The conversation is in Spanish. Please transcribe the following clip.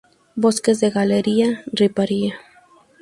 Bosques de galería, riparia.